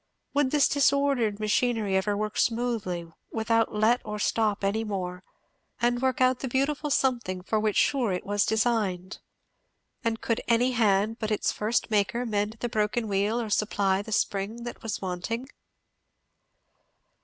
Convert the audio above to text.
would this disordered machinery ever work smoothly, without let or stop any more, and work out the beautiful something for which sure it was designed? And could any hand but its first Maker mend the broken wheel or supply the spring that was wanting?